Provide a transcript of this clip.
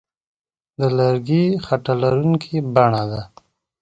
د لرګي خټه لرونکې بڼه ده.